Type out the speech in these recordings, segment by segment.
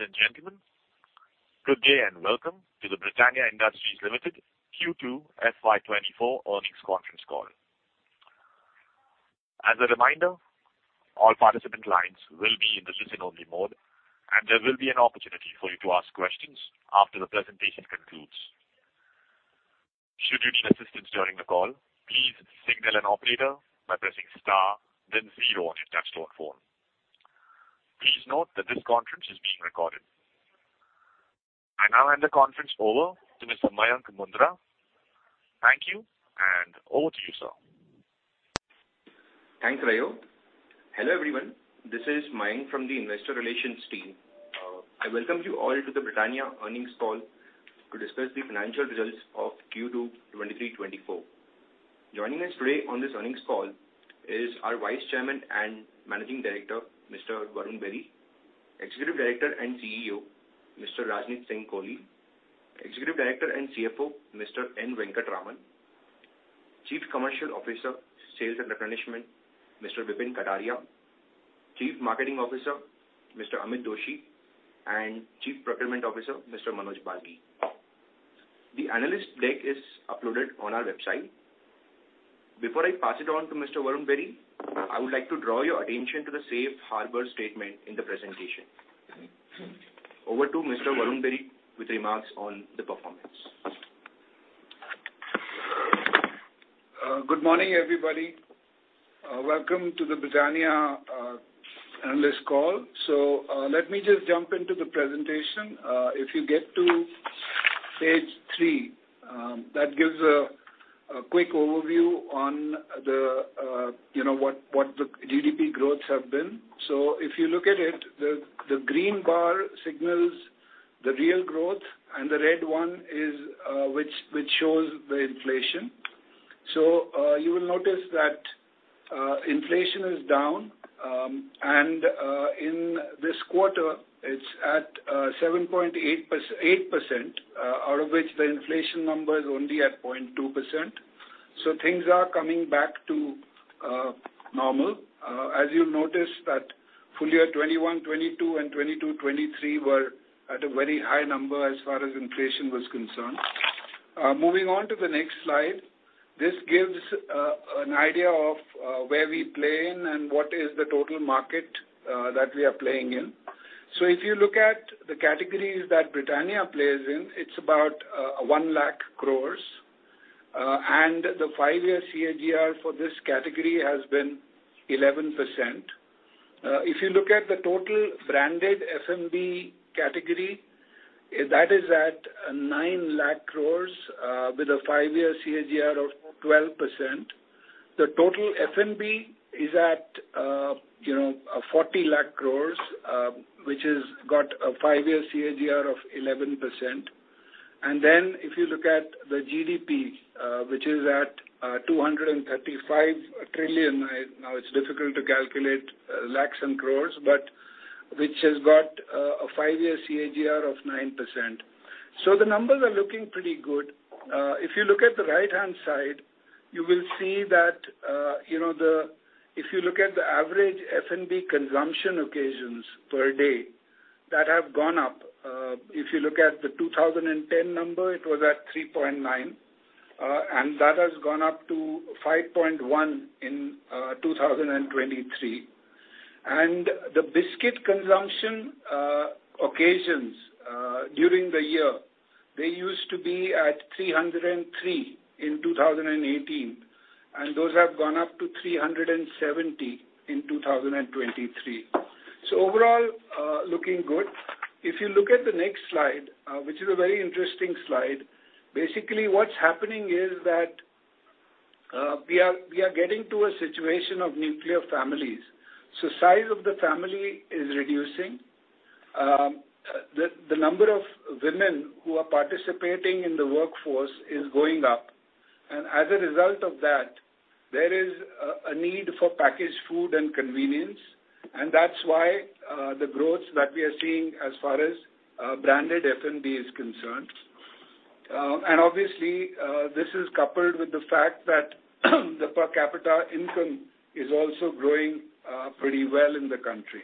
Ladies and gentlemen, good day and welcome to the Britannia Industries Limited Q2 FY24 earnings conference call. As a reminder, all participant lines will be in the listen-only mode, and there will be an opportunity for you to ask questions after the presentation concludes. Should you need assistance during the call, please signal an operator by pressing star, then zero on your touch-tone phone. Please note that this conference is being recorded. I now hand the conference over to Mr. Mayank Mundra. Thank you, and over to you, sir. Thanks, Rayo. Hello everyone, this is Mayank from the investor relations team. I welcome you all to the Britannia earnings call to discuss the financial results of Q2 2023-2024. Joining us today on this earnings call is our Vice Chairman and Managing Director, Mr. Varun Berry; Executive Director and CEO, Mr. Rajneet Singh Kohli; Executive Director and CFO, Mr. N. Venkataraman; Chief Commercial Officer, Sales and Replenishment, Mr. Vipin Kataria; Chief Marketing Officer, Mr. Amit Doshi; and Chief Procurement Officer, Mr. Manoj Balgi. The analyst deck is uploaded on our website. Before I pass it on to Mr. Varun Berry, I would like to draw your attention to the Safe Harbor statement in the presentation. Over to Mr. Varun Berry with remarks on the performance. Good morning everybody. Welcome to the Britannia analyst call. Let me just jump into the presentation. If you get to page three, that gives a quick overview on what the GDP growths have been. If you look at it, the green bar signals the real growth, and the red one shows the inflation. You will notice that inflation is down, and in this quarter it's at 7.8%, out of which the inflation number is only at 0.2%. Things are coming back to normal. As you'll notice, that full year 2021, 2022, and 2022-2023 were at a very high number as far as inflation was concerned. Moving on to the next slide, this gives an idea of where we play in and what is the total market that we are playing in. So if you look at the categories that Britannia plays in, it's about 1,000,000 crores, and the five-year CAGR for this category has been 11%. If you look at the total branded F&B category, that is at 9,000,000 crores with a five-year CAGR of 12%. The total F&B is at 40,000,000 crores, which has got a five-year CAGR of 11%. And then if you look at the GDP, which is at 235 trillion, now it's difficult to calculate lakhs and crores, but which has got a five-year CAGR of 9%. So the numbers are looking pretty good. If you look at the right-hand side, you will see that if you look at the average F&B consumption occasions per day, that have gone up. If you look at the 2010 number, it was at 3.9, and that has gone up to 5.1 in 2023. The biscuit consumption occasions during the year, they used to be at 303 in 2018, and those have gone up to 370 in 2023. Overall, looking good. If you look at the next slide, which is a very interesting slide, basically what's happening is that we are getting to a situation of nuclear families. Size of the family is reducing. The number of women who are participating in the workforce is going up, and as a result of that, there is a need for packaged food and convenience, and that's why the growths that we are seeing as far as branded F&B is concerned. Obviously, this is coupled with the fact that the per capita income is also growing pretty well in the country.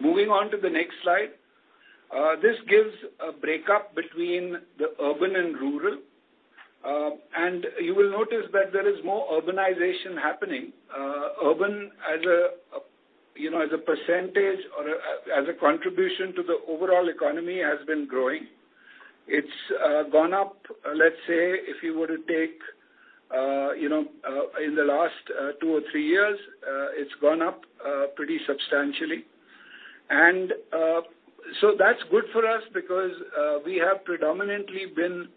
Moving on to the next slide, this gives a breakdown between the urban and rural, and you will notice that there is more urbanization happening. Urban as a percentage or as a contribution to the overall economy has been growing. It's gone up, let's say, if you were to take in the last two or three years, it's gone up pretty substantially. So that's good for us because we have predominantly been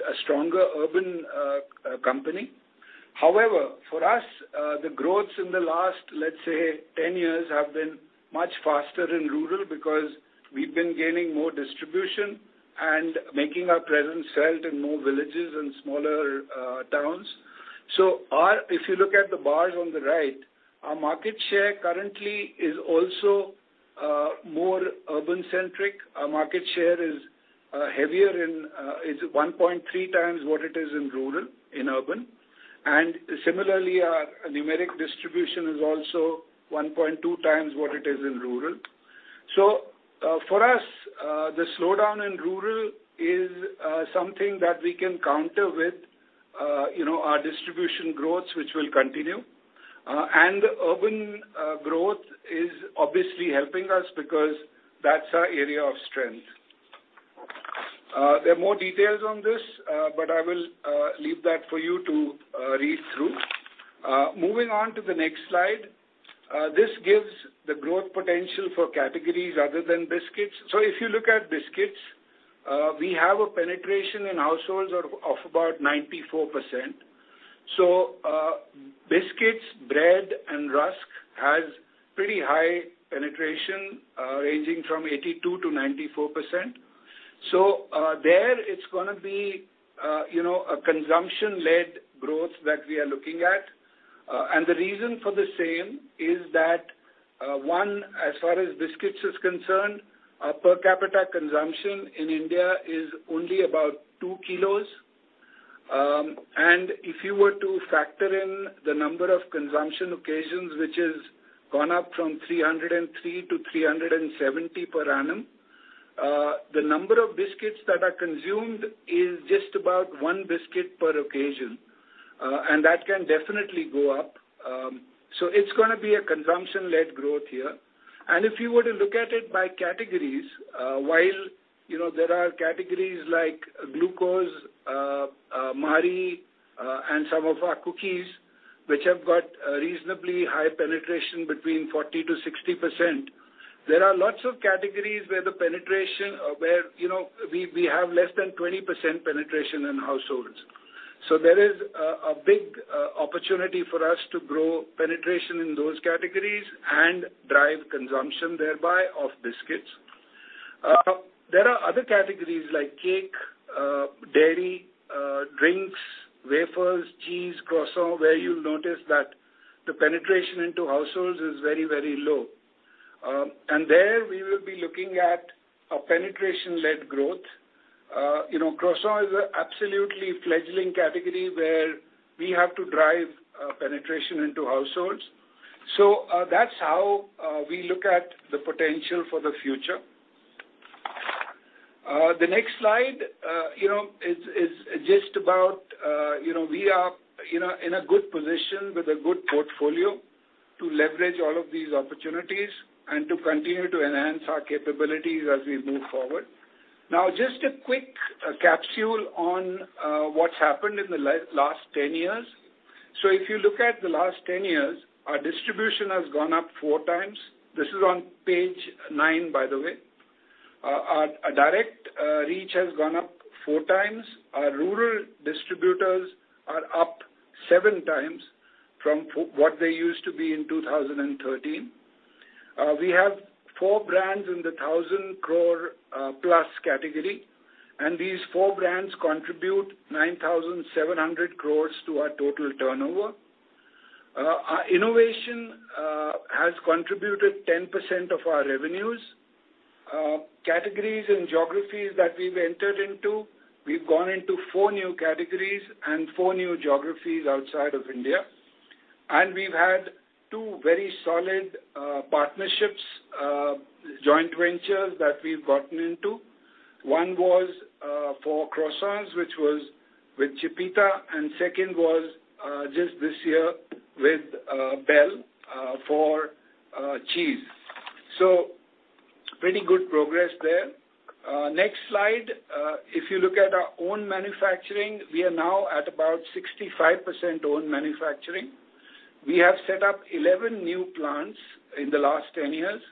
a stronger urban company. However, for us, the growths in the last, let's say, 10 years have been much faster in rural because we've been gaining more distribution and making our presence felt in more villages and smaller towns. So if you look at the bars on the right, our market share currently is also more urban-centric. Our market share is heavier in urban. It's 1.3 times what it is in rural, in urban. And similarly, our numeric distribution is also 1.2 times what it is in rural. So for us, the slowdown in rural is something that we can counter with our distribution growths, which will continue. And the urban growth is obviously helping us because that's our area of strength. There are more details on this, but I will leave that for you to read through. Moving on to the next slide, this gives the growth potential for categories other than biscuits. So if you look at biscuits, we have a penetration in households of about 94%. So biscuits, bread, and rusk has pretty high penetration, ranging from 82%-94%. So there, it's going to be a consumption-led growth that we are looking at. And the reason for the same is that, one, as far as biscuits is concerned, our per capita consumption in India is only about two kilos. And if you were to factor in the number of consumption occasions, which has gone up from 303 to 370 per annum, the number of biscuits that are consumed is just about one biscuit per occasion, and that can definitely go up. So it's going to be a consumption-led growth here. And if you were to look at it by categories, while there are categories like glucose, Marie, and some of our cookies, which have got reasonably high penetration between 40%-60%, there are lots of categories where the penetration where we have less than 20% penetration in households. So there is a big opportunity for us to grow penetration in those categories and drive consumption thereby of biscuits. There are other categories like cake, dairy, drinks, wafers, cheese, croissant, where you'll notice that the penetration into households is very, very low. We will be looking at a penetration-led growth. Croissant is an absolutely fledgling category where we have to drive penetration into households. That's how we look at the potential for the future. The next slide is just about we are in a good position with a good portfolio to leverage all of these opportunities and to continue to enhance our capabilities as we move forward. Now, just a quick capsule on what's happened in the last 10 years. If you look at the last 10 years, our distribution has gone up four times. This is on page nine, by the way. Our direct reach has gone up four times. Our rural distributors are up seven times from what they used to be in 2013. We have four brands in the 1,000 crore-plus category, and these four brands contribute 9,700 crore to our total turnover. Innovation has contributed 10% of our revenues. Categories and geographies that we've entered into, we've gone into four new categories and four new geographies outside of India. We've had two very solid partnerships, joint ventures that we've gotten into. One was for croissants, which was with Chipita, and second was just this year with Bel for cheese. So pretty good progress there. Next slide, if you look at our own manufacturing, we are now at about 65% owned manufacturing. We have set up 11 new plants in the last 10 years,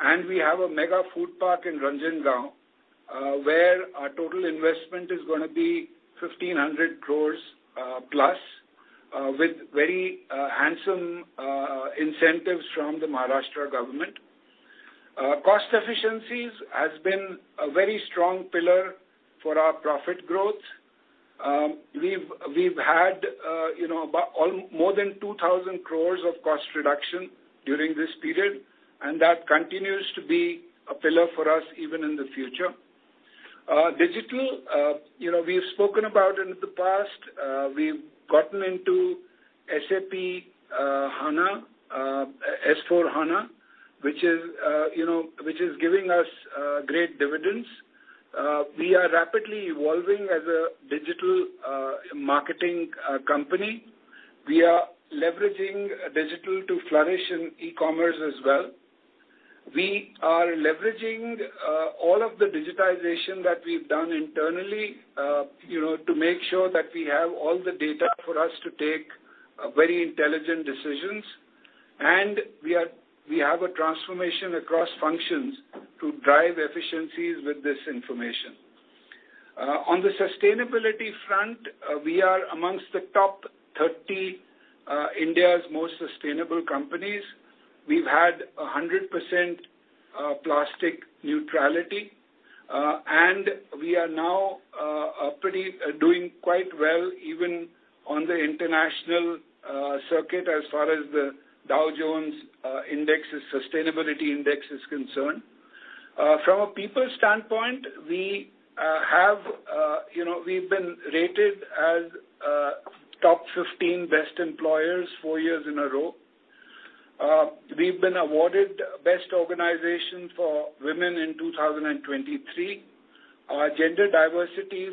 and we have a mega food park in Ranjangaon where our total investment is going to be 1,500 crores+ with very handsome incentives from the Maharashtra government. Cost efficiencies have been a very strong pillar for our profit growth. We've had more than 2,000 crore of cost reduction during this period, and that continues to be a pillar for us even in the future. Digital, we've spoken about it in the past. We've gotten into SAP S/4HANA, which is giving us great dividends. We are rapidly evolving as a digital marketing company. We are leveraging digital to flourish in e-commerce as well. We are leveraging all of the digitization that we've done internally to make sure that we have all the data for us to take very intelligent decisions, and we have a transformation across functions to drive efficiencies with this information. On the sustainability front, we are among the top 30 India's most sustainable companies. We've had 100% plastic neutrality, and we are now doing quite well even on the international circuit as far as the Dow Jones Sustainability Index is concerned. From a people standpoint, we've been rated as top 15 best employers four years in a row. We've been awarded Best Organization for Women in 2023. Our gender diversity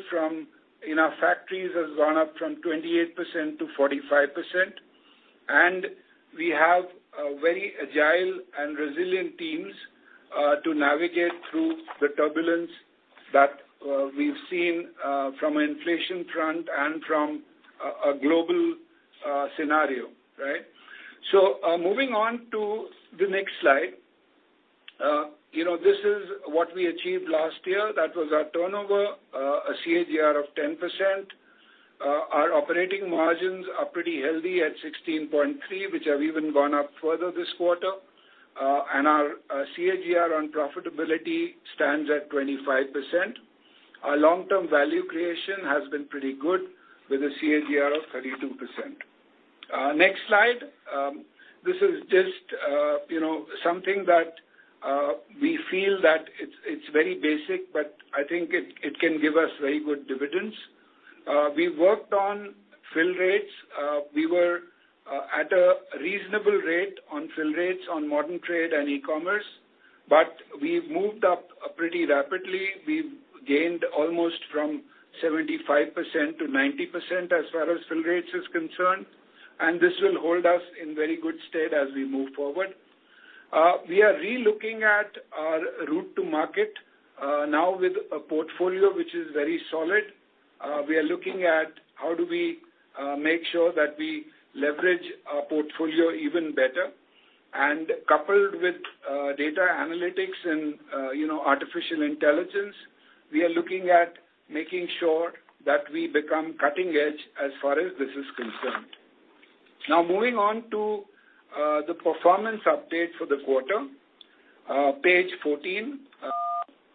in our factories has gone up from 28%-45%, and we have very agile and resilient teams to navigate through the turbulence that we've seen from an inflation front and from a global scenario, right? So moving on to the next slide, this is what we achieved last year. That was our turnover, a CAGR of 10%. Our operating margins are pretty healthy at 16.3%, which have even gone up further this quarter, and our CAGR on profitability stands at 25%. Our long-term value creation has been pretty good with a CAGR of 32%. Next slide, this is just something that we feel that it's very basic, but I think it can give us very good dividends. We've worked on fill rates. We were at a reasonable rate on fill rates on modern trade and e-commerce, but we've moved up pretty rapidly. We've gained almost from 75%-90% as far as fill rates is concerned, and this will hold us in very good stead as we move forward. We are relooking at our route to market now with a portfolio which is very solid. We are looking at how do we make sure that we leverage our portfolio even better. Coupled with data analytics and artificial intelligence, we are looking at making sure that we become cutting-edge as far as this is concerned. Now, moving on to the performance update for the quarter, page 14,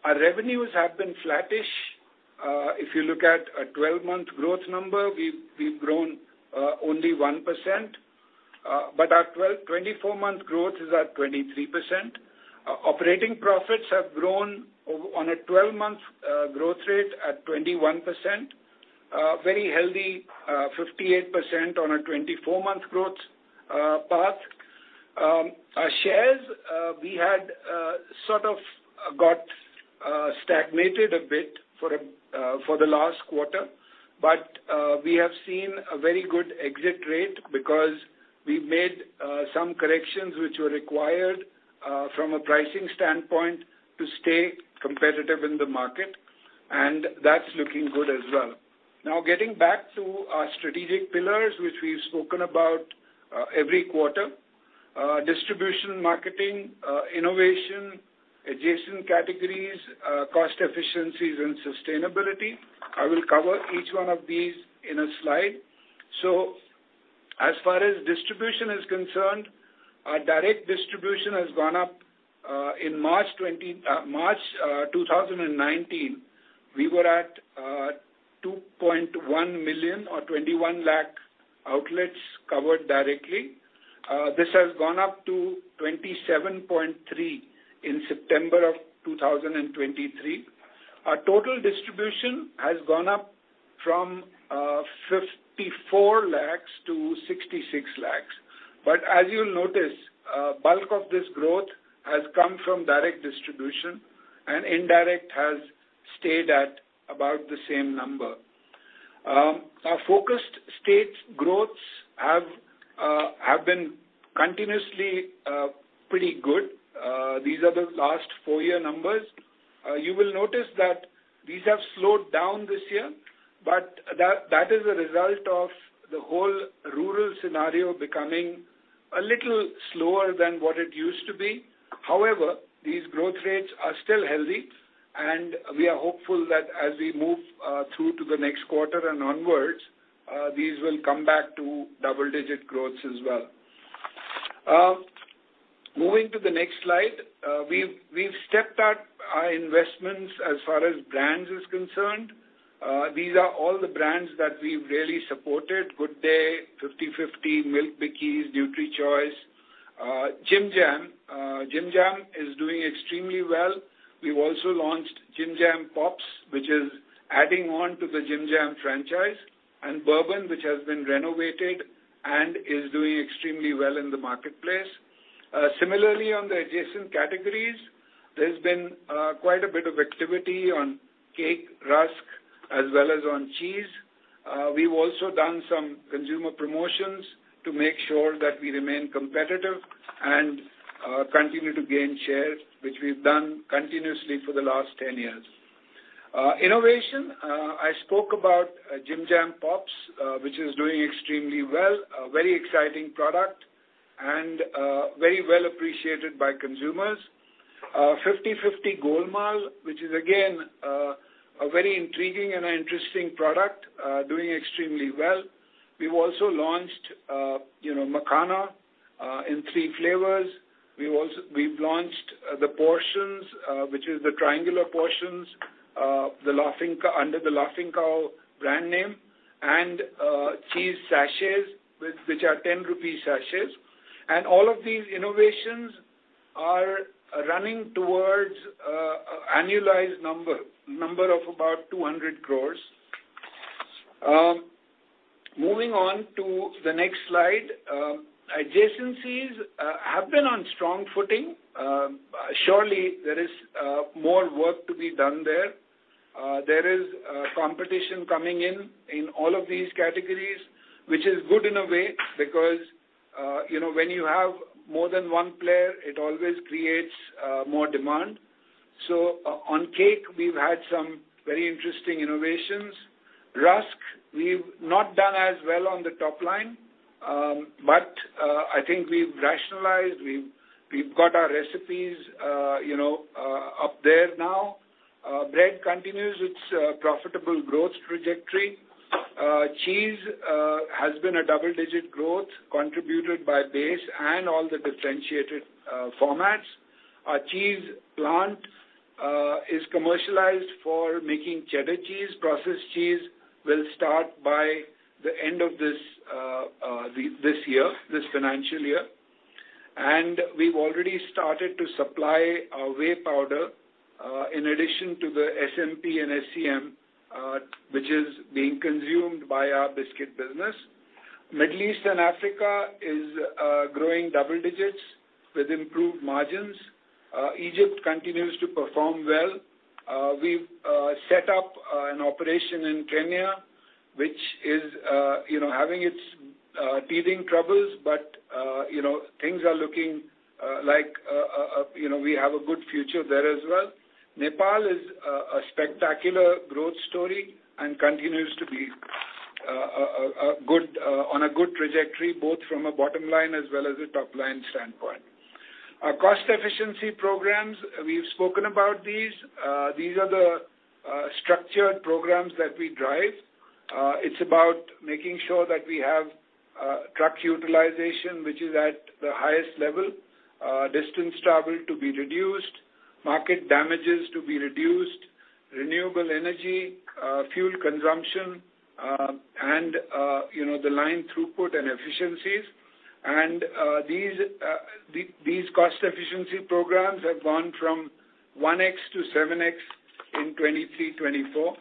our revenues have been flattish. If you look at a 12-month growth number, we've grown only 1%, but our 24-month growth is at 23%. Operating profits have grown on a 12-month growth rate at 21%, very healthy 58% on a 24-month growth path. Our shares, we had sort of got stagnated a bit for the last quarter, but we have seen a very good exit rate because we've made some corrections which were required from a pricing standpoint to stay competitive in the market, and that's looking good as well. Now, getting back to our strategic pillars which we've spoken about every quarter: distribution, marketing, innovation, adjacent categories, cost efficiencies, and sustainability. I will cover each one of these in a slide. As far as distribution is concerned, our direct distribution has gone up. In March 2019, we were at 2.1 million or 21 lakh outlets covered directly. This has gone up to 2.73 million in September of 2023. Our total distribution has gone up from 54 lakhs to 66 lakhs, but as you'll notice, a bulk of this growth has come from direct distribution, and indirect has stayed at about the same number. Our focused state growths have been continuously pretty good. These are the last four-year numbers. You will notice that these have slowed down this year, but that is a result of the whole rural scenario becoming a little slower than what it used to be. However, these growth rates are still healthy, and we are hopeful that as we move through to the next quarter and onwards, these will come back to double-digit growths as well. Moving to the next slide, we've stepped up our investments as far as brands is concerned. These are all the brands that we've really supported: Good Day, 50/50, Milk Bikkies, NutriChoice, Jim Jam. Jim Jam is doing extremely well. We've also launched Jim Jam Pops, which is adding on to the Jim Jam franchise, and Bourbon, which has been renovated and is doing extremely well in the marketplace. Similarly, on the adjacent categories, there's been quite a bit of activity on cake, rusk, as well as on cheese. We've also done some consumer promotions to make sure that we remain competitive and continue to gain share, which we've done continuously for the last 10 years. Innovation, I spoke about Jim Jam Pops, which is doing extremely well, a very exciting product and very well appreciated by consumers. 50/50 Golmaal, which is again a very intriguing and interesting product, doing extremely well. We've also launched makhana in three flavors. We've launched the portions, which is the triangular portions, under The Laughing Cow brand name, and cheese sachets, which are 10 rupee sachets. All of these innovations are running towards an annualized number of about 200 crore. Moving on to the next slide, adjacencies have been on strong footing. Surely, there is more work to be done there. There is competition coming in in all of these categories, which is good in a way because when you have more than one player, it always creates more demand. So on cake, we've had some very interesting innovations. Rusk, we've not done as well on the top line, but I think we've rationalized. We've got our recipes up there now. Bread continues its profitable growth trajectory. Cheese has been a double-digit growth contributed by base and all the differentiated formats. Our cheese plant is commercialized for making cheddar cheese. Processed cheese will start by the end of this year, this financial year. We've already started to supply our whey powder in addition to the SMP and SCM, which is being consumed by our biscuit business. Middle East and Africa is growing double digits with improved margins. Egypt continues to perform well. We've set up an operation in Kenya, which is having its teething troubles, but things are looking like we have a good future there as well. Nepal is a spectacular growth story and continues to be on a good trajectory both from a bottom line as well as a top line standpoint. Our cost efficiency programs, we've spoken about these. These are the structured programs that we drive. It's about making sure that we have truck utilization, which is at the highest level, distance travel to be reduced, market damages to be reduced, renewable energy, fuel consumption, and the line throughput and efficiencies. These cost efficiency programs have gone from 1x to 7x in 2023/2024.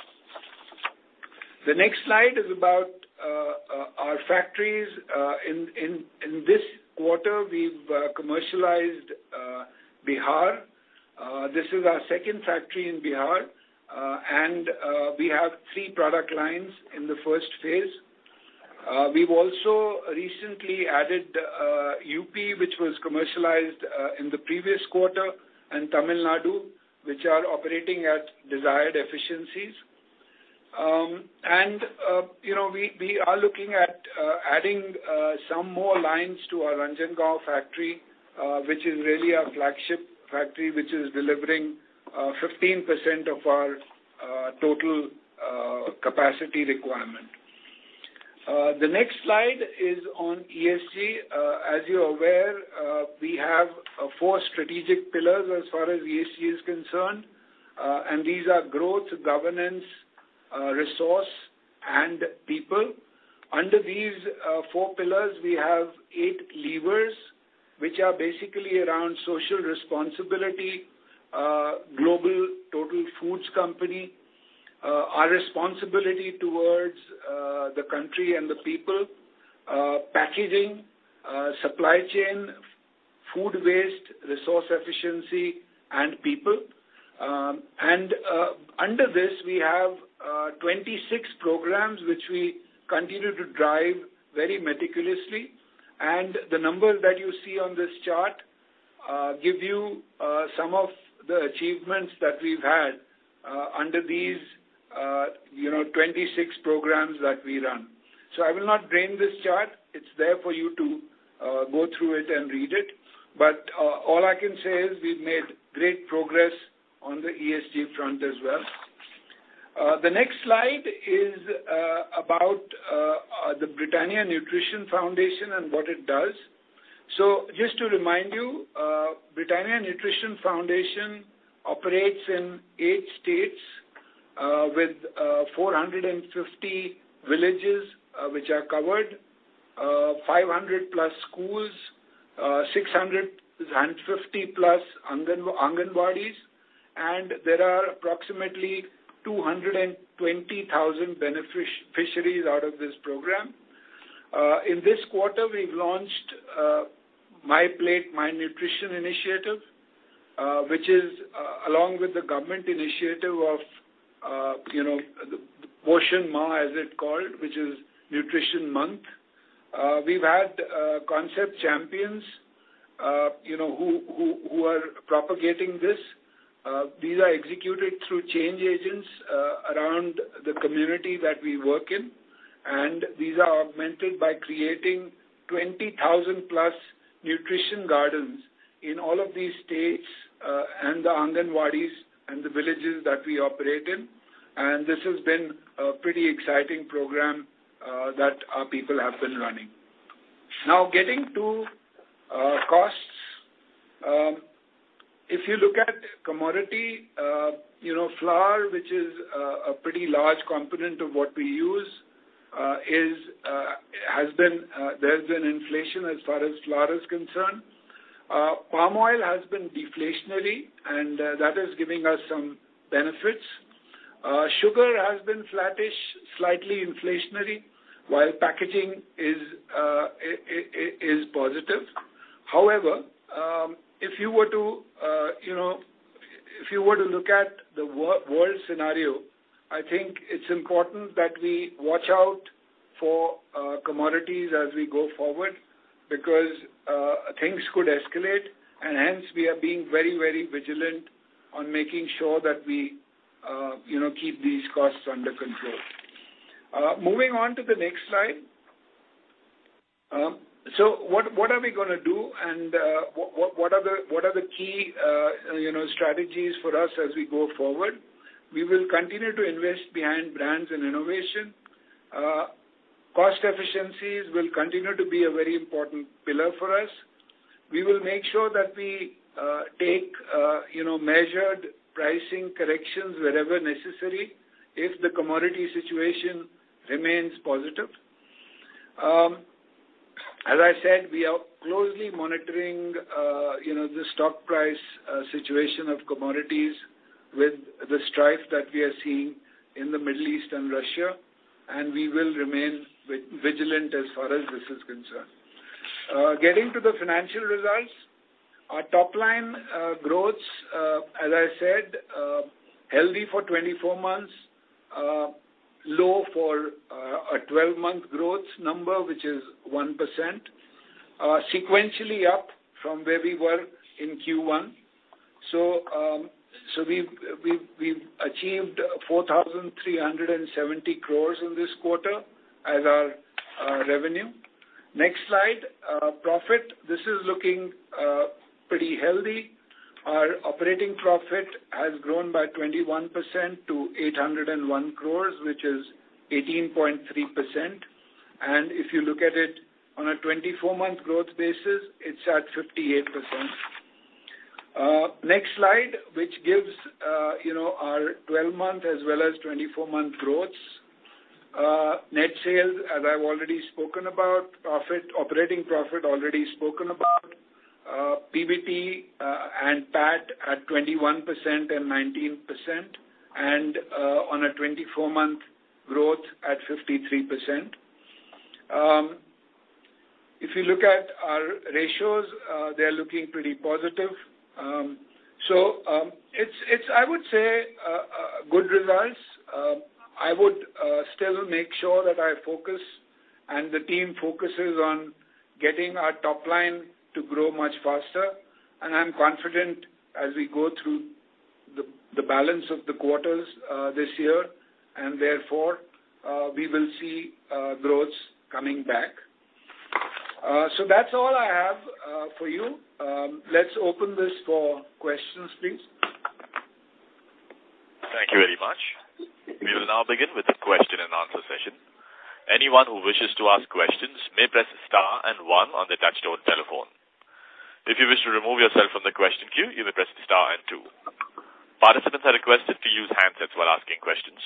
The next slide is about our factories. In this quarter, we've commercialized Bihar. This is our second factory in Bihar, and we have three product lines in the first phase. We've also recently added UP, which was commercialized in the previous quarter, and Tamil Nadu, which are operating at desired efficiencies. And we are looking at adding some more lines to our Ranjangaon factory, which is really our flagship factory, which is delivering 15% of our total capacity requirement. The next slide is on ESG. As you're aware, we have four strategic pillars as far as ESG is concerned, and these are growth, governance, resource, and people. Under these four pillars, we have eight levers, which are basically around social responsibility, global total foods company, our responsibility towards the country and the people, packaging, supply chain, food waste, resource efficiency, and people. Under this, we have 26 programs which we continue to drive very meticulously. The numbers that you see on this chart give you some of the achievements that we've had under these 26 programs that we run. I will not dwell on this chart. It's there for you to go through it and read it. All I can say is we've made great progress on the ESG front as well. The next slide is about the Britannia Nutrition Foundation and what it does. Just to remind you, Britannia Nutrition Foundation operates in eight states with 450 villages, which are covered, 500+ schools, 650+ anganwadis, and there are approximately 220,000 beneficiaries out of this program. In this quarter, we've launched My Plate, My Nutrition Initiative, which is along with the government initiative of the Poshan Maah, as it's called, which is Nutrition Month. We've had concept champions who are propagating this. These are executed through change agents around the community that we work in, and these are augmented by creating 20,000+ nutrition gardens in all of these states and the Anganwadis and the villages that we operate in. This has been a pretty exciting program that our people have been running. Now, getting to costs, if you look at commodity, flour, which is a pretty large component of what we use, there's been inflation as far as flour is concerned. Palm oil has been deflationary, and that is giving us some benefits. Sugar has been flattish, slightly inflationary, while packaging is positive. However, if you were to look at the worst scenario, I think it's important that we watch out for commodities as we go forward because things could escalate, and hence, we are being very, very vigilant on making sure that we keep these costs under control. Moving on to the next slide. So what are we going to do, and what are the key strategies for us as we go forward? We will continue to invest behind brands and innovation. Cost efficiencies will continue to be a very important pillar for us. We will make sure that we take measured pricing corrections wherever necessary if the commodity situation remains positive. As I said, we are closely monitoring the stock price situation of commodities with the strife that we are seeing in the Middle East and Russia, and we will remain vigilant as far as this is concerned. Getting to the financial results, our top line growths, as I said, healthy for 24 months, low for a 12-month growth number, which is 1%, sequentially up from where we were in Q1. So we've achieved 4,370 crores in this quarter as our revenue. Next slide, profit. This is looking pretty healthy. Our operating profit has grown by 21% to 801 crores, which is 18.3%. And if you look at it on a 24-month growth basis, it's at 58%. Next slide, which gives our 12-month as well as 24-month growths. Net sales, as I've already spoken about, operating profit already spoken about, PBT and PAT at 21% and 19%, and on a 24-month growth at 53%. If you look at our ratios, they're looking pretty positive. So it's, I would say, good results. I would still make sure that I focus and the team focuses on getting our top line to grow much faster. I'm confident as we go through the balance of the quarters this year, and therefore, we will see growths coming back. So that's all I have for you. Let's open this for questions, please. Thank you very much. We will now begin with the question-and-answer session. Anyone who wishes to ask questions may press star and one on the touch-tone telephone. If you wish to remove yourself from the question queue, you may press star and two. Participants are requested to use handsets while asking questions.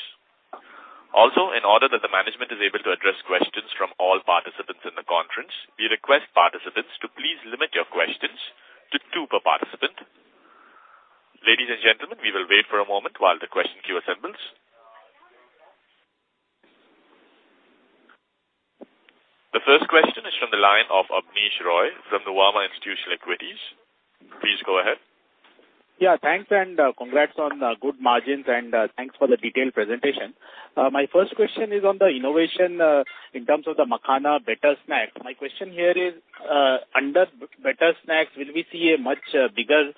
Also, in order that the management is able to address questions from all participants in the conference, we request participants to please limit your questions to two per participant. Ladies and gentlemen, we will wait for a moment while the question queue assembles. The first question is from the line of Abneesh Roy from the Nuvama Institutional Equities. Please go ahead. Yeah. Thanks and congrats on good margins, and thanks for the detailed presentation. My first question is on the innovation in terms of the Makhana Better Snacks. My question here is, under Better Snacks, will we see a much bigger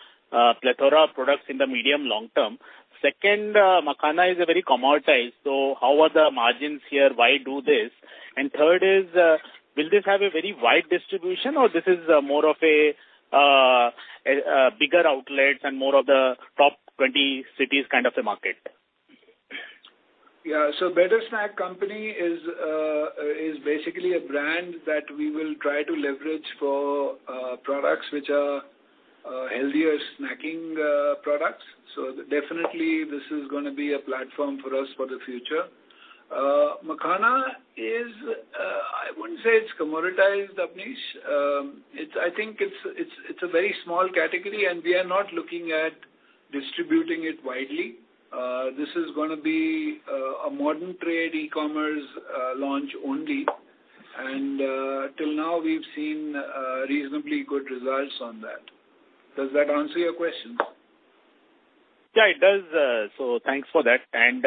plethora of products in the medium-long term? Second, Makhana is a very commoditized, so how are the margins here? Why do this? And third is, will this have a very wide distribution, or this is more of bigger outlets and more of the top 20 cities kind of a market? Yeah. So Better Snack Company is basically a brand that we will try to leverage for products which are healthier snacking products. So definitely, this is going to be a platform for us for the future. Makhana is, I wouldn't say it's commoditized, Abneesh. I think it's a very small category, and we are not looking at distributing it widely. This is going to be a modern trade, e-commerce launch only. And till now, we've seen reasonably good results on that. Does that answer your question? Yeah, it does. So thanks for that. And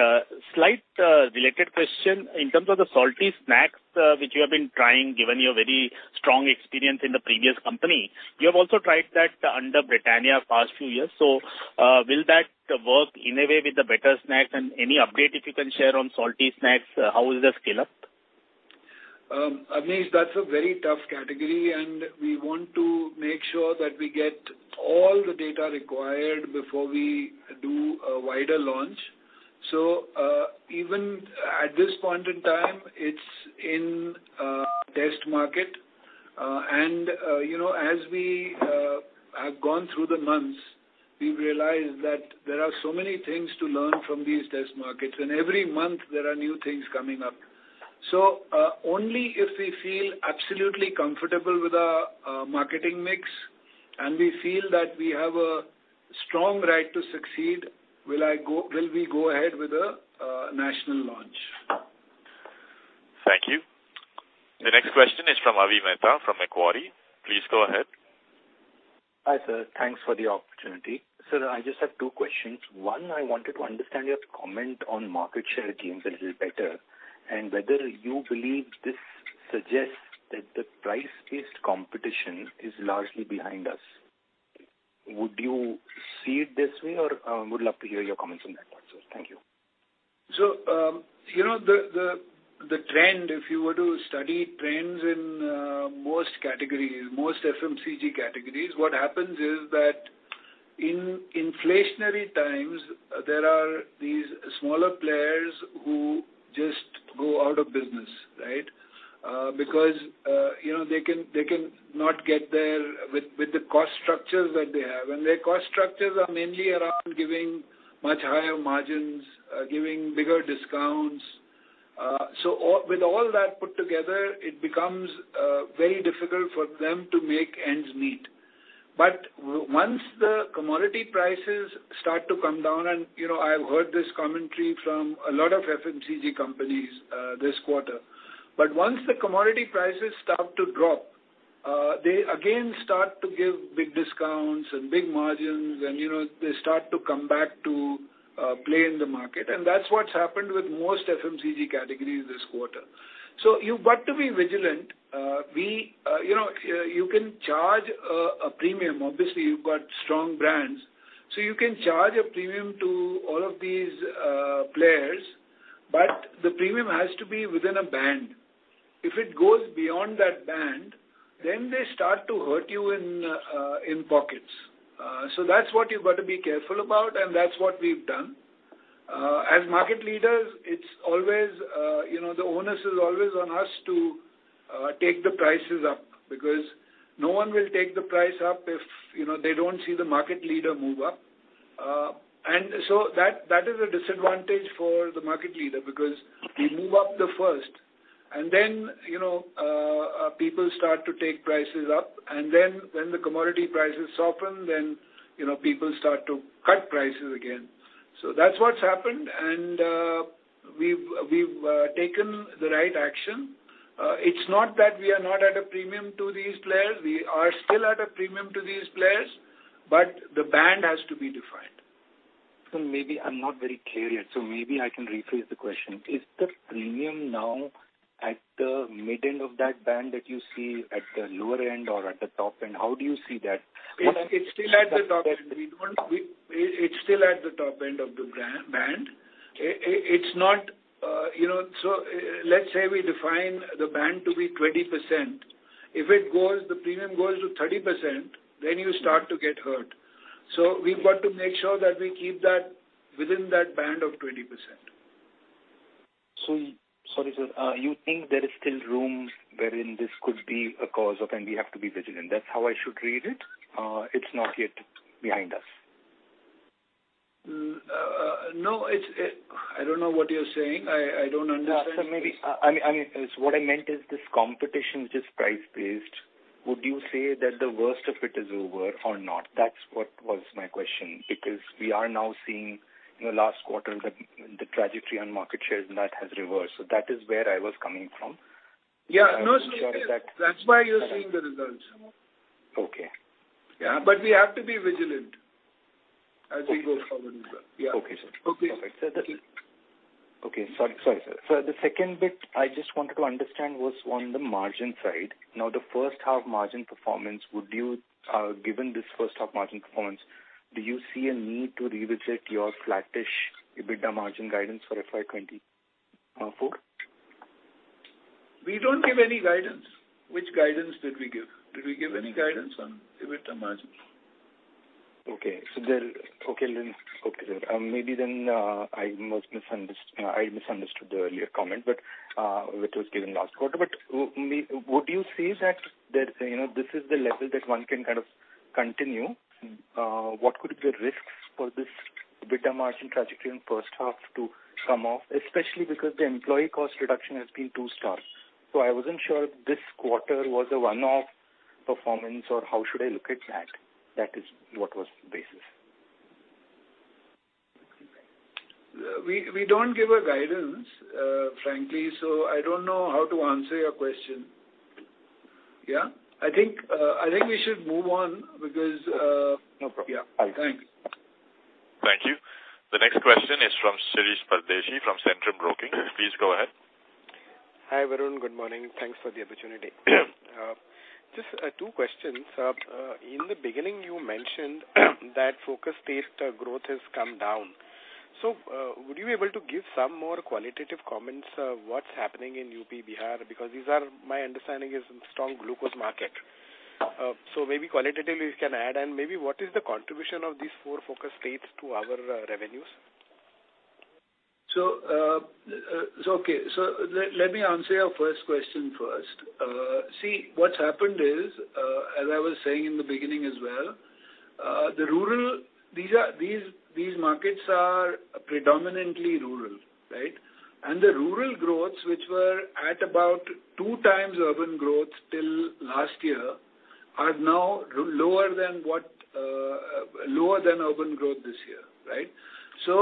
slight related question, in terms of the salty snacks, which you have been trying given your very strong experience in the previous company, you have also tried that under Britannia past few years. So will that work in a way with the Better Snacks? And any update if you can share on salty snacks, how is the scale-up? Abneesh, that's a very tough category, and we want to make sure that we get all the data required before we do a wider launch. So even at this point in time, it's in test market. And as we have gone through the months, we've realized that there are so many things to learn from these test markets, and every month, there are new things coming up. So only if we feel absolutely comfortable with our marketing mix and we feel that we have a strong right to succeed will we go ahead with a national launch. Thank you. The next question is from Avi Mehta from Macquarie. Please go ahead. Hi, sir. Thanks for the opportunity. Sir, I just have two questions. One, I wanted to understand your comment on market share gains a little better and whether you believe this suggests that the price-based competition is largely behind us. Would you see it this way, or I would love to hear your comments on that one, sir. Thank you. So the trend, if you were to study trends in most categories, most FMCG categories, what happens is that in inflationary times, there are these smaller players who just go out of business, right, because they can not get there with the cost structures that they have. And their cost structures are mainly around giving much higher margins, giving bigger discounts. So with all that put together, it becomes very difficult for them to make ends meet. But once the commodity prices start to come down, and I've heard this commentary from a lot of FMCG companies this quarter. But once the commodity prices start to drop, they again start to give big discounts and big margins, and they start to come back to play in the market. And that's what's happened with most FMCG categories this quarter. So you've got to be vigilant. You can charge a premium. Obviously, you've got strong brands. So you can charge a premium to all of these players, but the premium has to be within a band. If it goes beyond that band, then they start to hurt you in pockets. So that's what you've got to be careful about, and that's what we've done. As market leaders, it's always the onus on us to take the prices up because no one will take the price up if they don't see the market leader move up. And so that is a disadvantage for the market leader because we move up first, and then people start to take prices up. And then when the commodity prices soften, then people start to cut prices again. So that's what's happened, and we've taken the right action. It's not that we are not at a premium to these players. We are still at a premium to these players, but the band has to be defined. So maybe I'm not very clear yet. So maybe I can rephrase the question. Is the premium now at the mid-end of that band that you see at the lower end or at the top end? How do you see that? It's still at the top end. It's still at the top end of the band. It's not so let's say we define the band to be 20%. If the premium goes to 30%, then you start to get hurt. So we've got to make sure that we keep that within that band of 20%. So sorry, sir. You think there is still room wherein this could be a cause of, and we have to be vigilant. That's how I should read it? It's not yet behind us? No. I don't know what you're saying. I don't understand. Yeah. So maybe I mean, what I meant is this competition is just price-based. Would you say that the worst of it is over or not? That's what was my question because we are now seeing last quarter, the trajectory on market shares, and that has reversed. So that is where I was coming from. Yeah. No. That's why you're seeing the results. Okay. Yeah. But we have to be vigilant as we go forward as well. Yeah. Okay, sir. Okay. Okay. Okay. Sorry, sir. So the second bit I just wanted to understand was on the margin side. Now, the first-half margin performance, given this first-half margin performance, do you see a need to revisit your flattish EBITDA margin guidance for FY 2024? We don't give any guidance. Which guidance did we give? Did we give any guidance on EBITDA margin? Okay. Okay, then. Okay, sir. Maybe then I misunderstood the earlier comment, which was given last quarter. But would you say that this is the level that one can kind of continue? What could be the risks for this EBITDA margin trajectory in first half to come off, especially because the employee cost reduction has been two-star? So I wasn't sure if this quarter was a one-off performance or how should I look at that. That is what was the basis. We don't give a guidance, frankly. I don't know how to answer your question. Yeah? I think we should move on because. No problem. Yeah. Thanks. Thank you. The next question is from Shirish Pardeshi from Centrum Broking. Please go ahead. Hi, Varun. Good morning. Thanks for the opportunity. Just two questions. In the beginning, you mentioned that focus state growth has come down. So would you be able to give some more qualitative comments on what's happening in UP, Bihar? Because my understanding is a strong glucose market. So maybe qualitatively, you can add. And maybe what is the contribution of these four focus states to our revenues? So okay. So let me answer your first question first. See, what's happened is, as I was saying in the beginning as well, these markets are predominantly rural, right? And the rural growths, which were at about two times urban growth till last year, are now lower than urban growth this year, right? So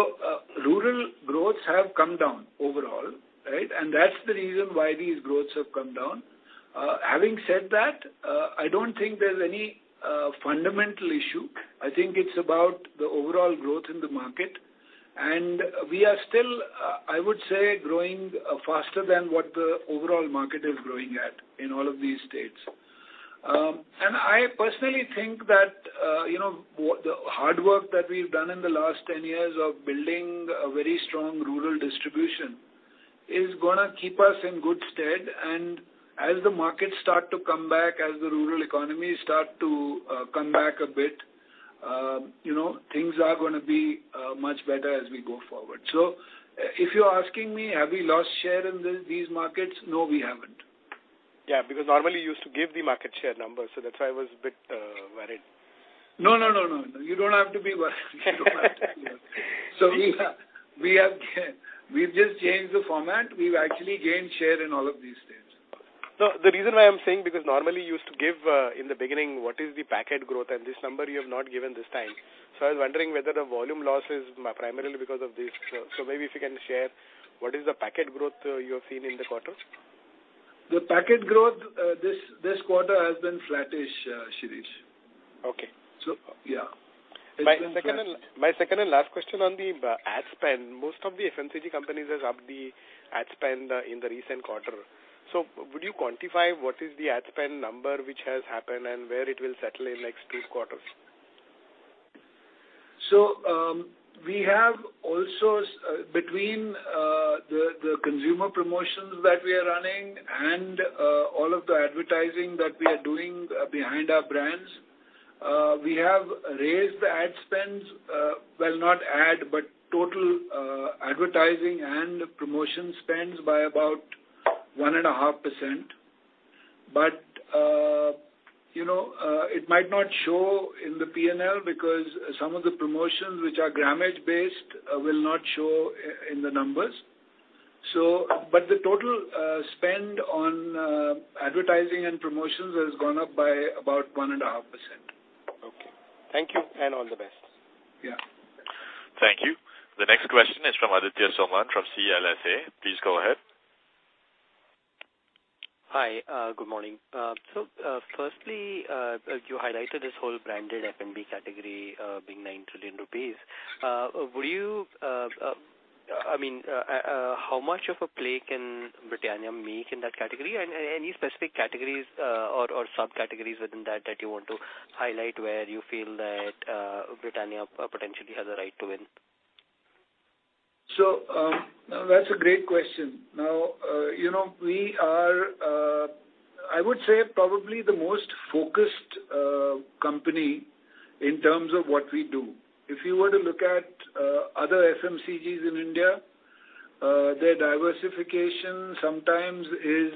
rural growths have come down overall, right? And that's the reason why these growths have come down. Having said that, I don't think there's any fundamental issue. I think it's about the overall growth in the market. And we are still, I would say, growing faster than what the overall market is growing at in all of these states. And I personally think that the hard work that we've done in the last 10 years of building a very strong rural distribution is going to keep us in good stead. As the markets start to come back, as the rural economies start to come back a bit, things are going to be much better as we go forward. If you're asking me, have we lost share in these markets? No, we haven't. Yeah. Because normally, you used to give the market share numbers. So that's why I was a bit worried. No, no, no, no, no. You don't have to be worried. You don't have to be worried. So we've just changed the format. We've actually gained share in all of these states. So the reason why I'm saying because normally, you used to give in the beginning, "What is the packet growth?" And this number, you have not given this time. So I was wondering whether the volume loss is primarily because of this. So maybe if you can share, what is the packet growth you have seen in the quarter? The packet growth this quarter has been flattish, Shirish. So yeah. It's been flattish. My second and last question on the ad spend. Most of the FMCG companies have upped the ad spend in the recent quarter. So would you quantify what is the ad spend number which has happened and where it will settle in the next two quarters? So we have also, between the consumer promotions that we are running and all of the advertising that we are doing behind our brands, we have raised the ad spends, well, not ad but total advertising and promotion spends by about 1.5%. But it might not show in the P&L because some of the promotions, which are grammage-based, will not show in the numbers. But the total spend on advertising and promotions has gone up by about 1.5%. Okay. Thank you and all the best. Yeah. Thank you. The next question is from Aditya Soman from CLSA. Please go ahead. Hi. Good morning. So firstly, you highlighted this whole branded F&B category being 9 trillion rupees. Would you, I mean, how much of a play can Britannia make in that category? And any specific categories or subcategories within that that you want to highlight where you feel that Britannia potentially has a right to win? So that's a great question. Now, we are, I would say, probably the most focused company in terms of what we do. If you were to look at other FMCGs in India, their diversification sometimes is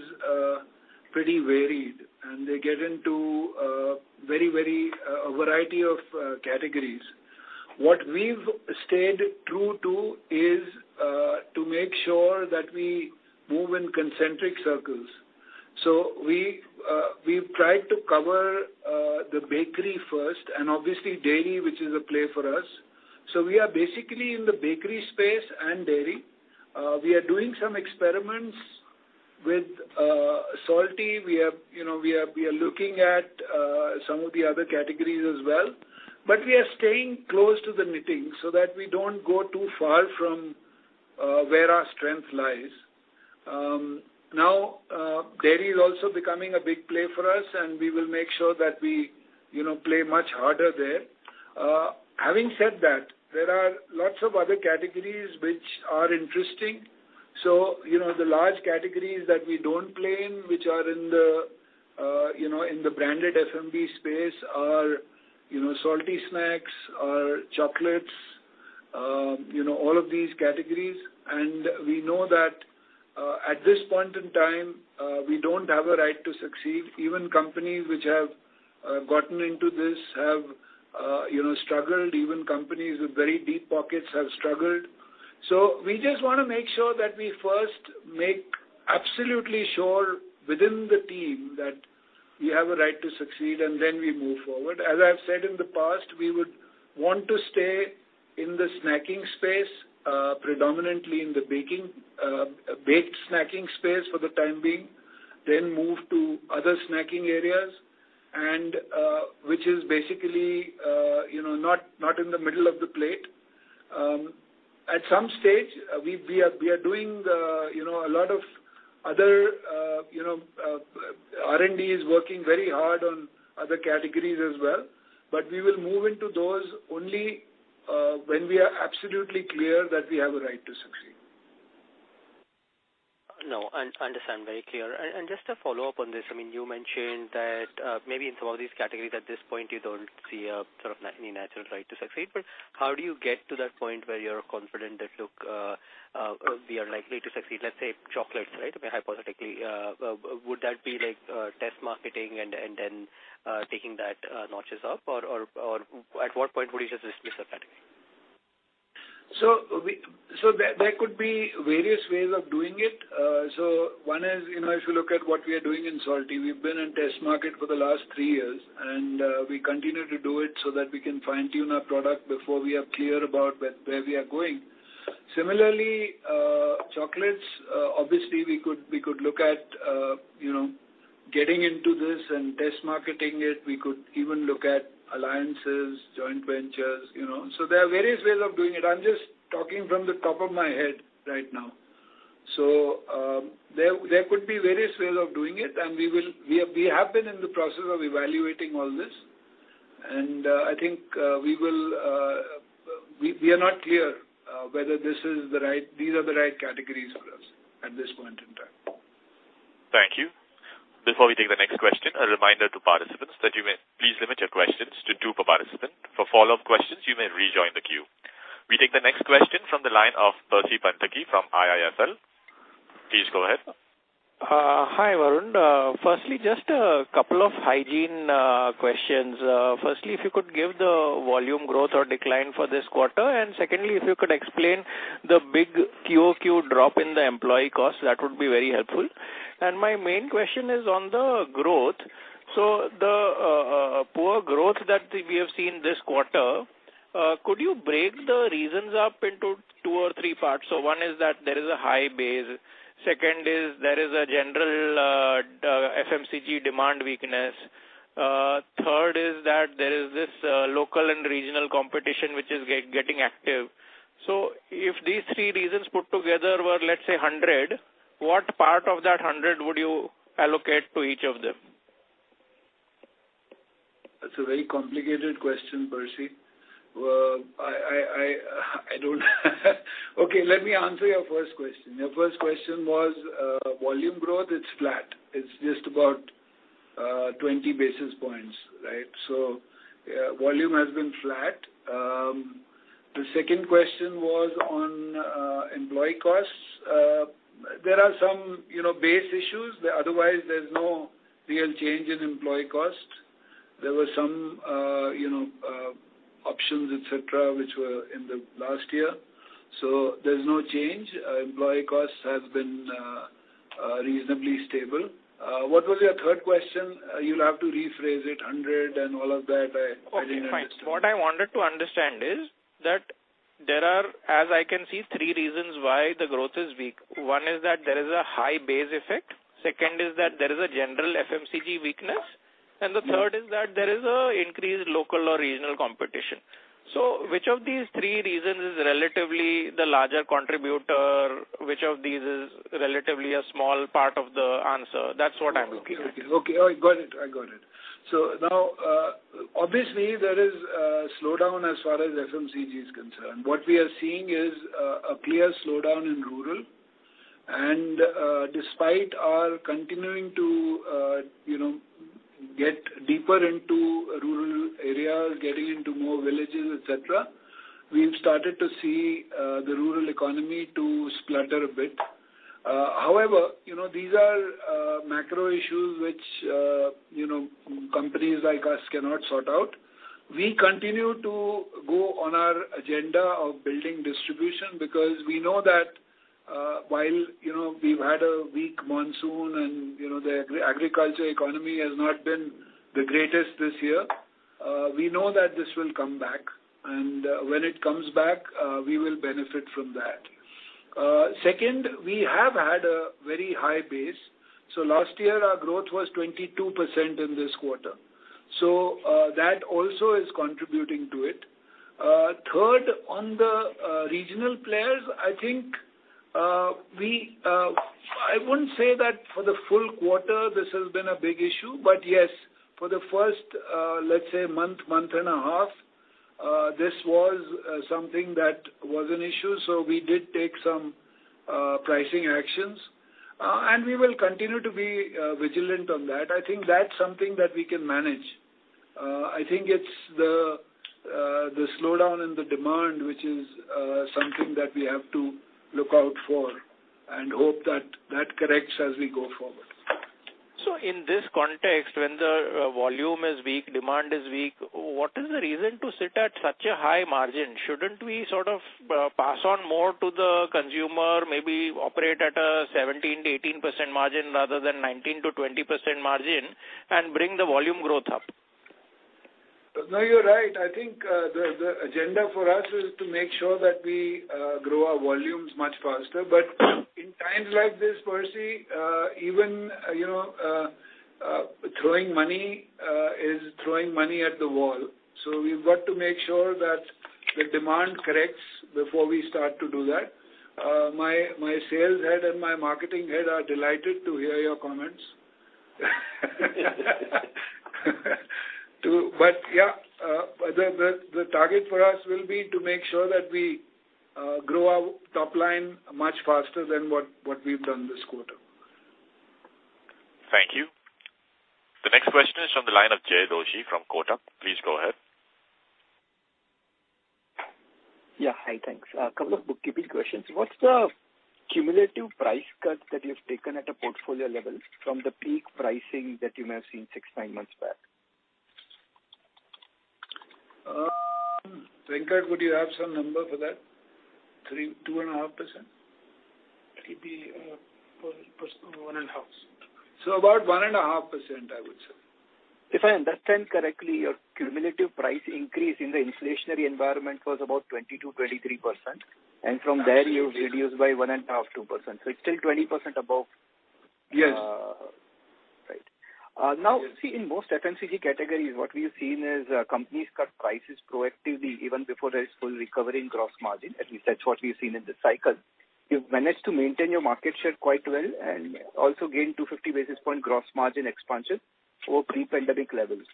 pretty varied, and they get into a variety of categories. What we've stayed true to is to make sure that we move in concentric circles. So we've tried to cover the bakery first and obviously dairy, which is a play for us. So we are basically in the bakery space and dairy. We are doing some experiments with salty. We are looking at some of the other categories as well. But we are staying close to the knitting so that we don't go too far from where our strength lies. Now, dairy is also becoming a big play for us, and we will make sure that we play much harder there. Having said that, there are lots of other categories which are interesting. So the large categories that we don't play in, which are in the branded F&B space, are salty snacks, are chocolates, all of these categories. And we know that at this point in time, we don't have a right to succeed. Even companies which have gotten into this have struggled. Even companies with very deep pockets have struggled. So we just want to make sure that we first make absolutely sure within the team that we have a right to succeed, and then we move forward. As I've said in the past, we would want to stay in the snacking space, predominantly in the baked snacking space for the time being, then move to other snacking areas, which is basically not in the middle of the plate. At some stage, we are doing a lot of other R&D is working very hard on other categories as well. But we will move into those only when we are absolutely clear that we have a right to succeed. No. I understand. Very clear. And just to follow up on this, I mean, you mentioned that maybe in some of these categories, at this point, you don't see sort of any natural right to succeed. But how do you get to that point where you're confident that, "Look, we are likely to succeed"? Let's say chocolates, right? I mean, hypothetically, would that be test marketing and then taking that up a notch? Or at what point would you just dismiss that category? So there could be various ways of doing it. So one is if you look at what we are doing in salty, we've been in test market for the last three years, and we continue to do it so that we can fine-tune our product before we are clear about where we are going. Similarly, chocolates, obviously, we could look at getting into this and test marketing it. We could even look at alliances, joint ventures. So there are various ways of doing it. I'm just talking from the top of my head right now. So there could be various ways of doing it, and we have been in the process of evaluating all this. And I think we are not clear whether these are the right categories for us at this point in time. Thank you. Before we take the next question, a reminder to participants that you may please limit your questions to two per participant. For follow-up questions, you may rejoin the queue. We take the next question from the line of Percy Panthaki from IIFL. Please go ahead. Hi, Varun. Firstly, just a couple of hygiene questions. Firstly, if you could give the volume growth or decline for this quarter? And secondly, if you could explain the big QoQ drop in the employee cost, that would be very helpful. And my main question is on the growth. So the poor growth that we have seen this quarter, could you break the reasons up into two or three parts? So one is that there is a high base. Second is there is a general FMCG demand weakness. Third is that there is this local and regional competition, which is getting active. So if these three reasons put together were, let's say, 100, what part of that 100 would you allocate to each of them? That's a very complicated question, Percy. I don't okay. Let me answer your first question. Your first question was volume growth. It's flat. It's just about 20 basis points, right? So volume has been flat. The second question was on employee costs. There are some base issues. Otherwise, there's no real change in employee cost. There were some options, etc., which were in the last year. So there's no change. Employee costs have been reasonably stable. What was your third question? You'll have to rephrase it. 100 and all of that, I didn't understand. Okay. Fine. What I wanted to understand is that there are, as I can see, three reasons why the growth is weak. One is that there is a high base effect. Second is that there is a general FMCG weakness. And the third is that there is an increased local or regional competition. So which of these three reasons is relatively the larger contributor? Which of these is relatively a small part of the answer? That's what I'm looking at. Okay. I got it. So now, obviously, there is a slowdown as far as FMCG is concerned. What we are seeing is a clear slowdown in rural. And despite our continuing to get deeper into rural areas, getting into more villages, etc., we've started to see the rural economy splutter a bit. However, these are macro issues which companies like us cannot sort out. We continue to go on our agenda of building distribution because we know that while we've had a weak monsoon and the agriculture economy has not been the greatest this year, we know that this will come back. And when it comes back, we will benefit from that. Second, we have had a very high base. So last year, our growth was 22% in this quarter. So that also is contributing to it. Third, on the regional players, I think we wouldn't say that for the full quarter, this has been a big issue. But yes, for the first, let's say, month, month and a half, this was something that was an issue. So we did take some pricing actions. And we will continue to be vigilant on that. I think that's something that we can manage. I think it's the slowdown in the demand, which is something that we have to look out for and hope that that corrects as we go forward. So in this context, when the volume is weak, demand is weak, what is the reason to sit at such a high margin? Shouldn't we sort of pass on more to the consumer, maybe operate at a 17%-18% margin rather than 19%-20% margin, and bring the volume growth up? No, you're right. I think the agenda for us is to make sure that we grow our volumes much faster. But in times like this, Percy, even throwing money is throwing money at the wall. So we've got to make sure that the demand corrects before we start to do that. My sales head and my marketing head are delighted to hear your comments. But yeah, the target for us will be to make sure that we grow our top line much faster than what we've done this quarter. Thank you. The next question is from the line of Jay Doshi from Kotak. Please go ahead. Yeah. Hi. Thanks. A couple of bookkeeping questions. What's the cumulative price cut that you've taken at a portfolio level from the peak pricing that you may have seen six, nine months back? Venkat, would you have some number for that? 2.5%? 1.5. So about 1.5%, I would say. If I understand correctly, your cumulative price increase in the inflationary environment was about 20%-23%. And from there, you've reduced by 1.5%-2%. So it's still 20% above? Yes. Right. Now, see, in most FMCG categories, what we've seen is companies cut prices proactively even before there is full recovering gross margin. At least, that's what we've seen in this cycle. You've managed to maintain your market share quite well and also gain 250 basis point gross margin expansion over pre-pandemic levels.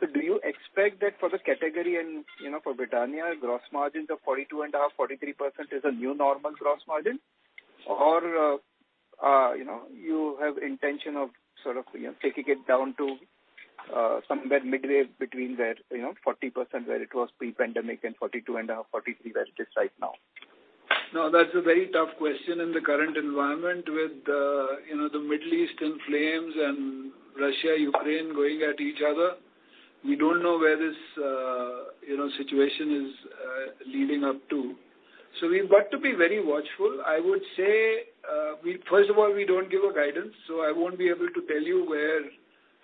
So do you expect that for the category and for Britannia, gross margins of 42.5%-43% is a new normal gross margin? Or you have intention of sort of taking it down to somewhere midway between 40% where it was pre-pandemic and 42.5%, 43% where it is right now? No, that's a very tough question. In the current environment with the Middle East in flames and Russia, Ukraine going at each other, we don't know where this situation is leading up to. So we've got to be very watchful. I would say, first of all, we don't give a guidance. So I won't be able to tell you where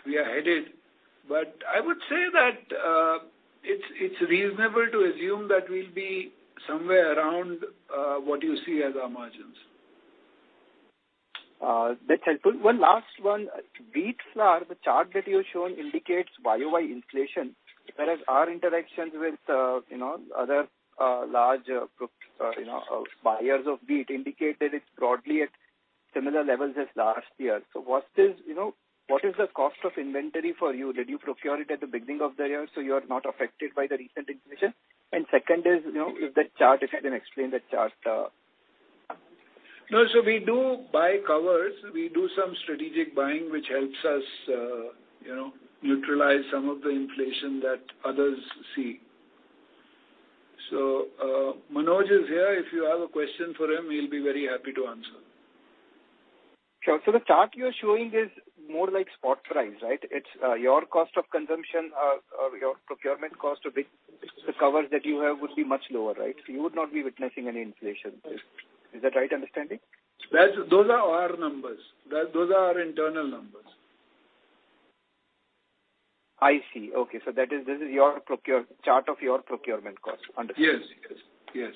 we are headed. But I would say that it's reasonable to assume that we'll be somewhere around what you see as our margins. That's helpful. One last one. Wheat flour, the chart that you've shown indicates year-over-year inflation, whereas our interactions with other large buyers of wheat indicate that it's broadly at similar levels as last year. So what is the cost of inventory for you? Did you procure it at the beginning of the year so you are not affected by the recent inflation? And second is, if you can explain that chart. No, so we do buy covers. We do some strategic buying, which helps us neutralize some of the inflation that others see. Manoj is here. If you have a question for him, he'll be very happy to answer. Sure. So the chart you're showing is more like spot price, right? It's your cost of consumption or your procurement cost of the covers that you have would be much lower, right? So you would not be witnessing any inflation. Is that right understanding? Those are our numbers. Those are our internal numbers. I see. Okay. So this is your chart of your procurement cost. Understood. Yes. Yes. Yes.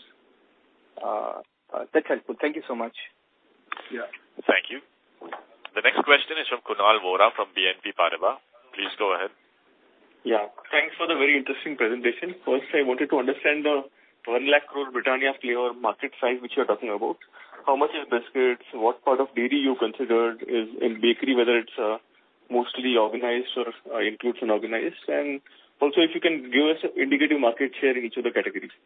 That's helpful. Thank you so much. Yeah. Thank you. The next question is from Kunal Vora from BNP Paribas. Please go ahead. Yeah. Thanks for the very interesting presentation. First, I wanted to understand the 1 lakh crore Britannia flavored market size which you're talking about. How much is biscuits? What part of dairy you consider in bakery, whether it's mostly organized or includes unorganized? And also, if you can give us an indicative market share in each of the categories.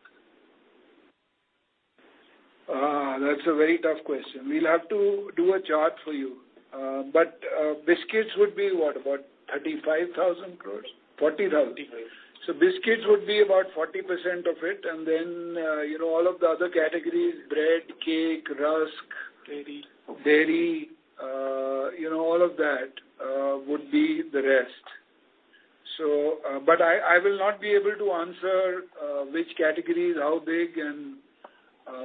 That's a very tough question. We'll have to do a chart for you. But biscuits would be what, about 35,000 crore? 40,000 crore? INR 45,000. Biscuits would be about 40% of it. All of the other categories: bread, cake, rusk. Dairy. Dairy. All of that would be the rest. But I will not be able to answer which categories, how big, and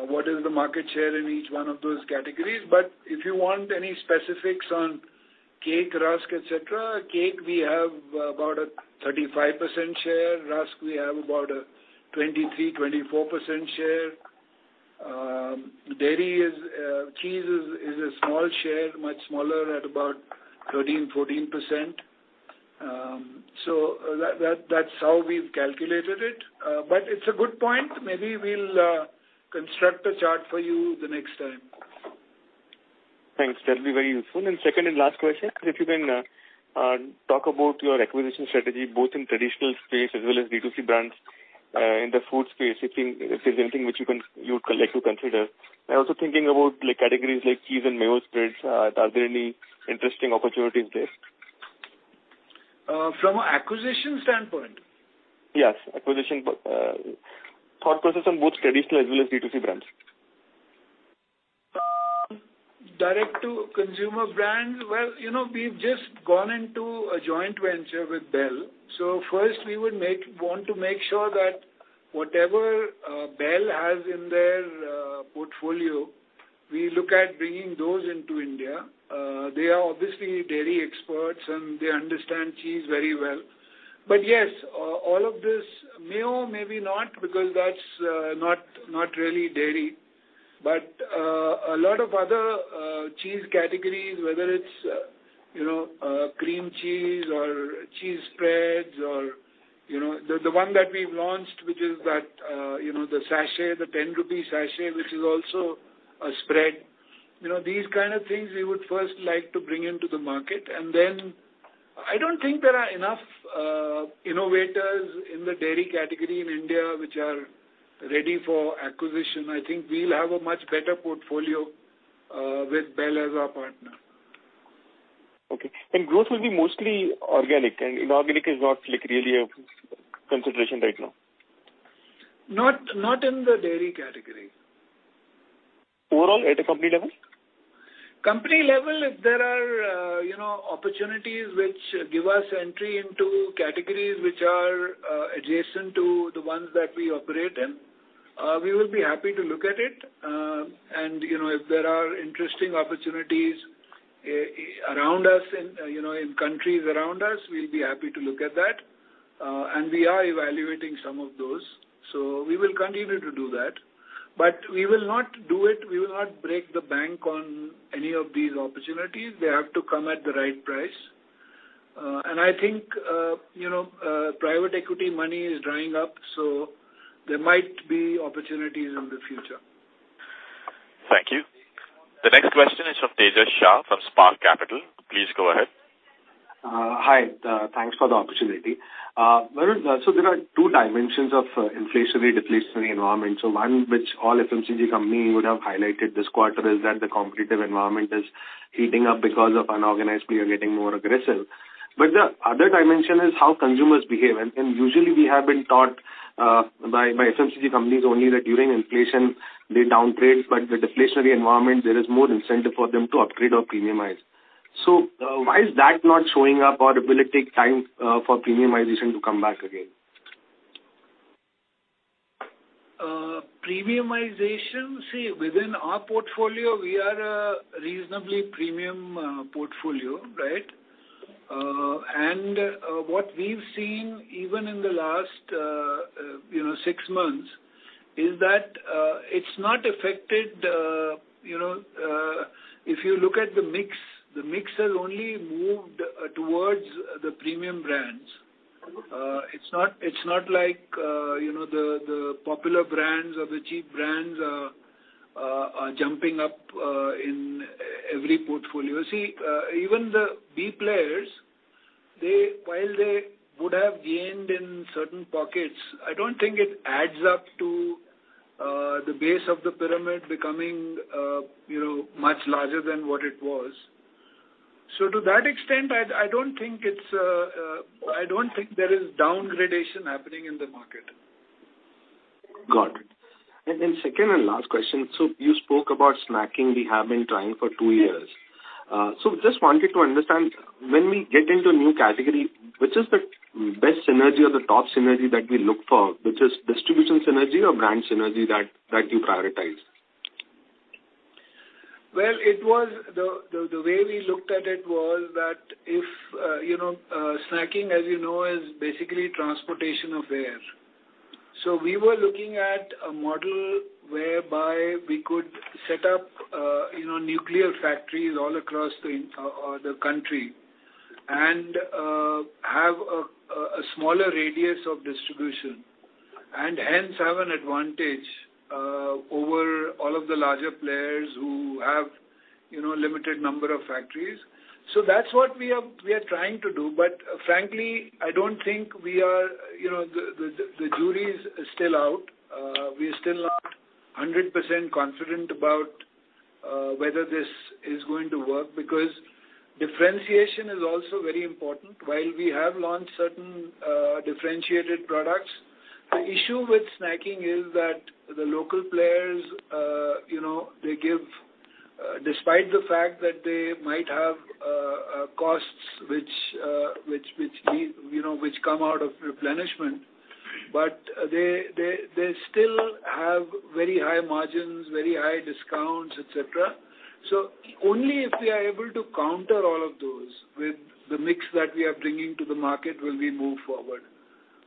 what is the market share in each one of those categories. But if you want any specifics on cake, rusk, etc., cake, we have about a 35% share. Rusk, we have about a 23%-24% share. Cheese is a small share, much smaller, at about 13%-14%. So that's how we've calculated it. But it's a good point. Maybe we'll construct a chart for you the next time. Thanks. That'll be very useful. Second and last question, if you can talk about your acquisition strategy both in traditional space as well as D2C brands in the food space, if there's anything which you'd like to consider. I'm also thinking about categories like cheese and mayo spreads. Are there any interesting opportunities there? From an acquisition standpoint? Yes. Thought process on both traditional as well as D2C brands. Direct to consumer brands? Well, we've just gone into a joint venture with Bel. So first, we would want to make sure that whatever Bel has in their portfolio, we look at bringing those into India. They are obviously dairy experts, and they understand cheese very well. But yes, all of this may or maybe not because that's not really dairy. But a lot of other cheese categories, whether it's cream cheese or cheese spreads or the one that we've launched, which is the sachet, the 10 rupee sachet, which is also a spread, these kind of things, we would first like to bring into the market. And then I don't think there are enough innovators in the dairy category in India which are ready for acquisition. I think we'll have a much better portfolio with Bel as our partner. Okay. Growth will be mostly organic. Inorganic is not really a consideration right now? Not in the dairy category. Overall at a company level? Company level, if there are opportunities which give us entry into categories which are adjacent to the ones that we operate in, we will be happy to look at it. If there are interesting opportunities around us in countries around us, we'll be happy to look at that. We are evaluating some of those. We will continue to do that. We will not do it. We will not break the bank on any of these opportunities. They have to come at the right price. I think private equity money is drying up. There might be opportunities in the future. Thank you. The next question is from Tejas Shah from Spark Capital. Please go ahead. Hi. Thanks for the opportunity. So there are two dimensions of inflationary-deflationary environment. So one which all FMCG companies would have highlighted this quarter is that the competitive environment is heating up because of unorganized players or getting more aggressive. But the other dimension is how consumers behave. And usually, we have been taught by FMCG companies only that during inflation, they downgrade. But the deflationary environment, there is more incentive for them to upgrade or premiumize. So why is that not showing up? Or will it take time for premiumization to come back again? Premiumization, see, within our portfolio, we are a reasonably premium portfolio, right? And what we've seen even in the last six months is that it's not affected. If you look at the mix, the mix has only moved towards the premium brands. It's not like the popular brands or the cheap brands are jumping up in every portfolio. See, even the B players, while they would have gained in certain pockets, I don't think it adds up to the base of the pyramid becoming much larger than what it was. So to that extent, I don't think there is downgrading happening in the market. Got it. And then second and last question. So you spoke about snacking. We have been trying for two years. So just wanted to understand, when we get into a new category, which is the best synergy or the top synergy that we look for, which is distribution synergy or brand synergy that you prioritize? Well, the way we looked at it was that if snacking, as you know, is basically transportation of air. So we were looking at a model whereby we could set up numerous factories all across the country and have a smaller radius of distribution and hence have an advantage over all of the larger players who have a limited number of factories. So that's what we are trying to do. But frankly, I don't think we are. The jury's still out. We're still not 100% confident about whether this is going to work because differentiation is also very important. While we have launched certain differentiated products, the issue with snacking is that the local players, despite the fact that they might have costs which come out of replenishment, but they still have very high margins, very high discounts, etc. So only if we are able to counter all of those with the mix that we are bringing to the market will we move forward.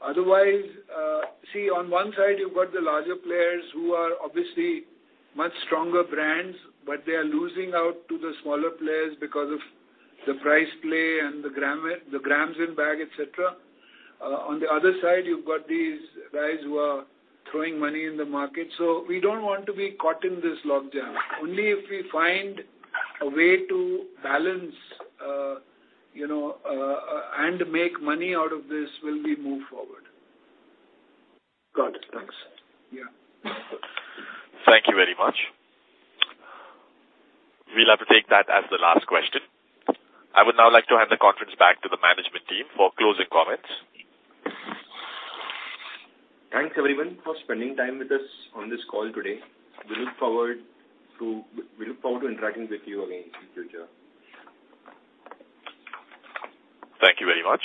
Otherwise, see, on one side, you've got the larger players who are obviously much stronger brands, but they are losing out to the smaller players because of the price play and the grams in bag, etc. On the other side, you've got these guys who are throwing money in the market. So we don't want to be caught in this lockdown. Only if we find a way to balance and make money out of this will we move forward. Got it. Thanks. Yeah. Thank you very much. We'll have to take that as the last question. I would now like to hand the conference back to the management team for closing comments. Thanks, everyone, for spending time with us on this call today. We look forward to interacting with you again in the future. Thank you very much.